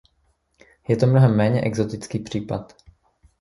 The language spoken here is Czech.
Je to mnohem méně exotický případ.